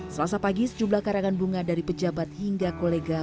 selasa pagi sejumlah karangan bunga dari pejabat hingga kolega